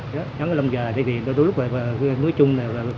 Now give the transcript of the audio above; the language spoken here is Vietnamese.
dán những cái lông gà lên thì đôi lúc mối chung